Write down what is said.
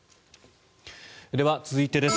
では、続いてです。